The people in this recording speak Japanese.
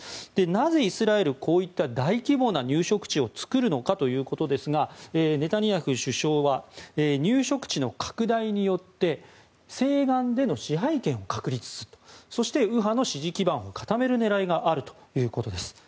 なぜイスラエルこういった大規模な入植地を作るのかということですがネタニヤフ首相は入植地の拡大によって西岸での支配権を確立してそして、右派の支持基盤を固める狙いがあるということです。